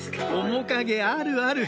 面影あるある！